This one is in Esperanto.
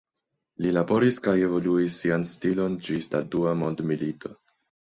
Li laboris kaj evoluis sian stilon ĝis la dua mondmilito.